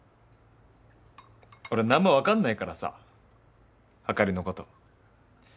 俺何も分かんないからさあかりのこと。